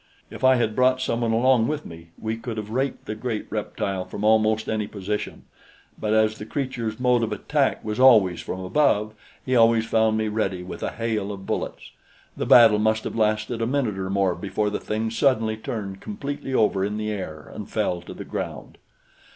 If I had brought someone along with me, we could have raked the great reptile from almost any position, but as the creature's mode of attack was always from above, he always found me ready with a hail of bullets. The battle must have lasted a minute or more before the thing suddenly turned completely over in the air and fell to the ground.